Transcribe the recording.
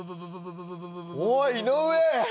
おい井上！